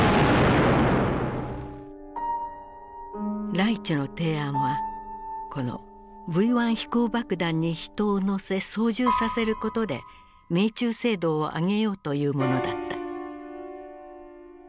ライチュの提案はこのＶ１飛行爆弾に人を乗せ操縦させることで命中精度を上げようというものだった。